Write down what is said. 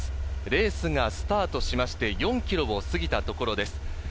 レースがスタートしまして、４ｋｍを過ぎたところです。